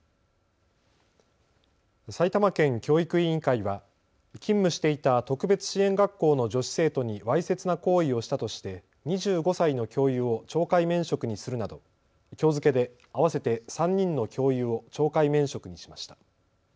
埼玉県教育委員会は勤務していた特別支援学校の女子生徒にわいせつな行為をしたとして２５歳の教諭を懲戒免職にするなどきょう付けで合わせて３人の教諭を懲戒免職にしました。